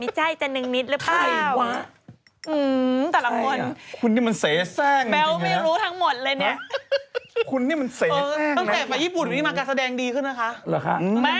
ไม่มันต้องทำตัวแบวขึ้นไงมีความคิดขุอโอนเนะ